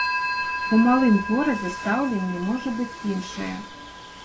У малым горадзе стаўленне можа быць іншае.